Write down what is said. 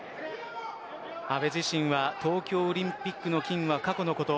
阿部自身は東京オリンピックの金は過去のこと。